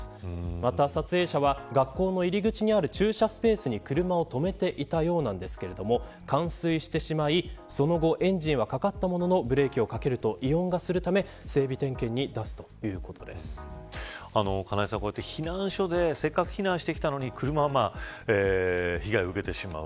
また、撮影者は学校の入り口にある駐車スペースに車を止めていたようなんですけれども冠水してしまいその後エンジンはかかったもののブレーキをかけると異音がするため金井さん、こうやって避難所でせっかく避難してきたのに車が被害を受けてしまう。